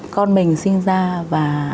con mình sinh ra và